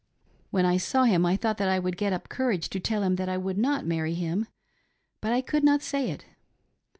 When I saw him I thought that I would get up courage to tell him that I would not marry him, but I could not say it.